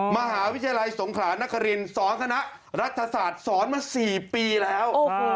มหาวิทยาลัยสงขรานครินสอนคณะรัฐศาสตร์สอนมา๔ปีแล้ว